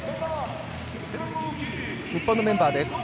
日本のメンバーです。